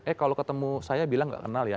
eh kalau ketemu saya bilang nggak kenal ya